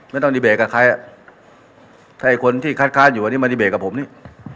ต้องดีเบตกับใครอ่ะถ้าไอ้คนที่คัดค้านอยู่อันนี้มาดีเบตกับผมนี่